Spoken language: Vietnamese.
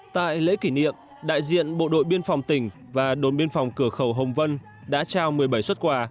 tại lễ kỷ niệm đại diện bộ đội biên phòng tỉnh và đồn biên phòng cửa khẩu hồng vân đã trao một mươi bảy xuất quà